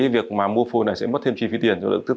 việc mua phôi này sẽ mất thêm chi phí tiền